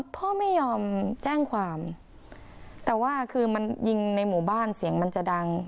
พ่อไม่ยอมแจ้งความแต่ว่าคือมันยิงในหมู่บ้านเสียงมันจะดัง